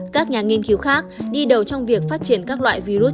các nhà nghiên cứu khác đi đầu trong việc phát triển các loại virus